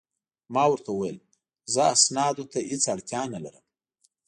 ما ورته وویل: زه اسنادو ته هیڅ اړتیا نه لرم.